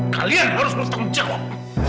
kalian harus bertanggung jawab